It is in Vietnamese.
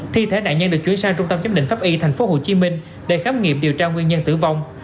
thi thể nạn nhân được chuyển sang trung tâm giám định pháp y tp hcm để khám nghiệm điều tra nguyên nhân tử vong